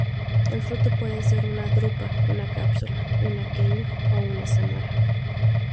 El fruto puede ser una drupa, una cápsula, un aquenio o una sámara.